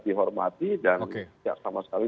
dihormati dan sama sekali